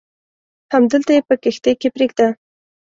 همدلته یې په کښتۍ کې پرېږده.